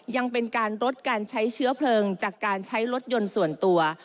ยังเป็นการลดการใช้เชื้อเพลิงจากการใช้รถยนต์ส่วนตัว